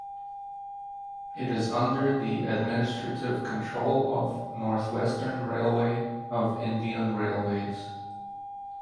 It is under the administrative control of North Western Railway of Indian Railways.